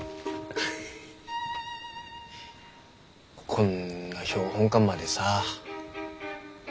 こんな標本館までさ。